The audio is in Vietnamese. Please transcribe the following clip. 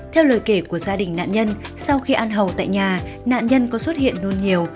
theo lời kể của gia đình nạn nhân sau khi ăn hầu tại nhà nạn nhân có xuất hiện nôn nhiều